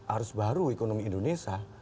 arus baru ekonomi indonesia